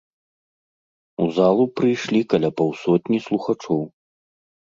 У залу прыйшлі каля паўсотні слухачоў.